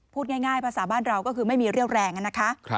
พูดง่ายภาษาบ้านเราก็คือไม่มีเรี่ยวแรงนะคะ